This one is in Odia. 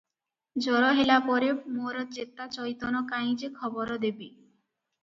ଜର ହେଲା ପରେ ମୋର ଚେତା ଚଇତନ କାଇଁ ଯେ ଖବର ଦେବି?